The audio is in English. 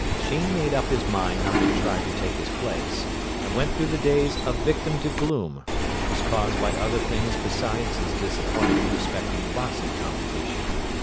Sheen made up his mind not to try to take his place, and went through the days a victim to gloom, which was caused by other things besides his disappointment respecting the boxing competition.